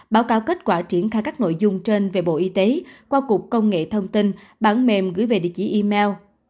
báo cáo kết quả triển khai các nội dung trên về bộ y tế qua cục công nghệ thông tin bản mềm gửi về địa chỉ email